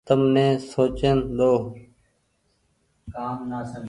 تم ني سوچيئن ۮئو۔